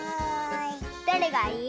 どれがいい？